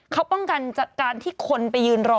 เขาป้องกันจากการที่คนไปยืนรอ